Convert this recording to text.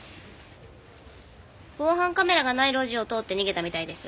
防犯カメラがない路地を通って逃げたみたいです。